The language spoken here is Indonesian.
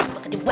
udah sana tidur